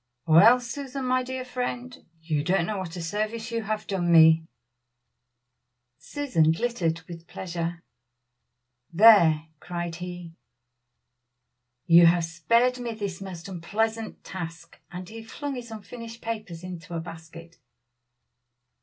"Well! Susan, my dear friend, you don't know what a service you have done me!" Susan glittered with pleasure. "There!" cried he, "you have spared me this most unpleasant task," and he flung his unfinished papers into a basket.